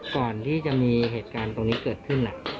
ก่อนที่จะมีเหตุการณ์ตรงนี้เกิดขึ้น